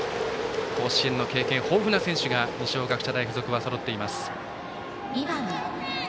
甲子園の経験豊富な選手が二松学舎大付属はそろっています。